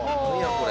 これ。